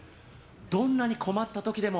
どんなに困った時でも。